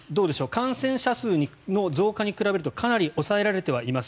感染者数の増加に比べるとかなり抑えられています